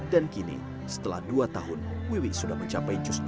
dan kini setelah dua tahun wiwi sudah mencapai just dua